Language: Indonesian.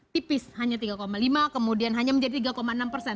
tipis hanya tiga lima kemudian hanya menjadi tiga enam persen